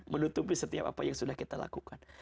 menutupi setiap apa yang sudah kita lakukan